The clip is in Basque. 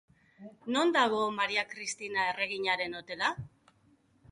Non dago Maria Kristina erreginaren hotela?